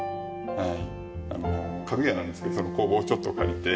はい。